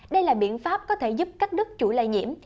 đây là biện pháp có thể giúp cắt đứt chủ lây nhiễm